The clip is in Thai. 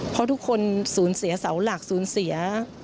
เพราะทุกคนสูญเสียเสาหลักสูญเสีย